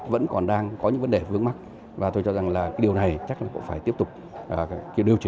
vẫn còn đang có những vấn đề vướng mắt và tôi cho rằng là điều này chắc là cũng phải tiếp tục điều chỉnh bổ sung thêm